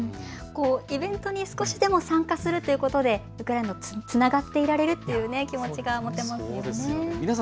イベントに少しでも参加するということでウクライナとつながっていられるという気持ちが持てますよね。